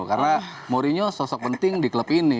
karena mourinho sosok penting di klub ini